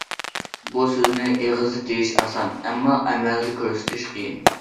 بۇ سۆزنى ئېغىزدا دېيىش ئاسان، ئەمما ئەمەلدە كۆرسىتىش قىيىن.